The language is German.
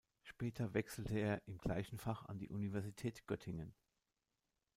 Später wechselte er im gleichen Fach an die Universität Göttingen.